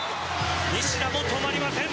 西田も止まりません。